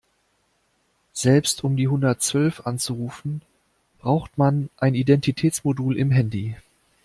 Selbst um die hundertzwölf anzurufen, braucht man ein Identitätsmodul im Handy.